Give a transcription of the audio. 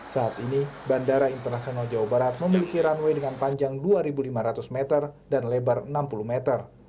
saat ini bandara internasional jawa barat memiliki runway dengan panjang dua lima ratus meter dan lebar enam puluh meter